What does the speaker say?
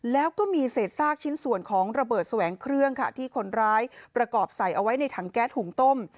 แล้วก็มีเศษซากชิ้นส่วนของระเบิดแสวงเครื่องค่ะที่คนร้ายประกอบใส่เอาไว้ในถังแก๊สหุงต้ม